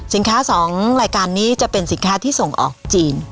สินค้าสองรายการนี้จะเป็นสินค้าที่ส่งออกจีน